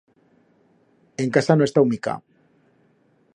En casa no he estau mica.